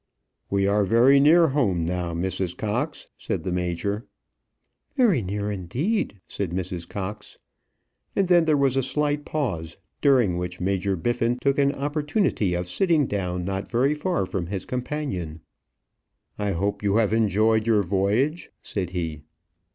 "We are very near home now, Mrs. Cox," said the major. "Very near indeed," said Mrs. Cox. And then there was a slight pause, during which Major Biffin took an opportunity of sitting down not very far from his companion. "I hope you have enjoyed your voyage," said he.